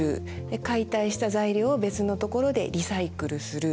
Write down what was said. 解体した材料を別のところでリサイクルする。